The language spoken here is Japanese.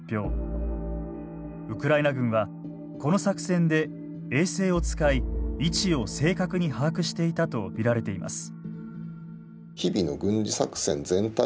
ウクライナ軍はこの作戦で衛星を使い位置を正確に把握していたと見られています。